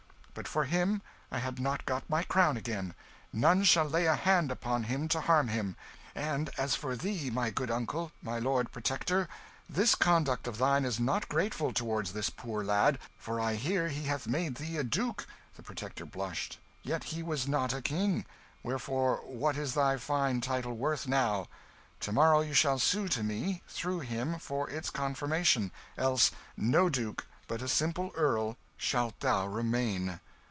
But for him I had not got my crown again none shall lay a hand upon him to harm him. And as for thee, my good uncle, my Lord Protector, this conduct of thine is not grateful toward this poor lad, for I hear he hath made thee a duke" the Protector blushed "yet he was not a king; wherefore what is thy fine title worth now? To morrow you shall sue to me, through him, for its confirmation, else no duke, but a simple earl, shalt thou remain."